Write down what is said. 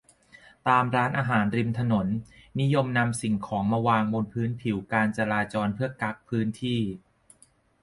ตามร้านอาหารริมถนน นิยมนำสิ่งของมาวางบนพื้นผิวการจราจร เพื่อกั๊กพื้นที่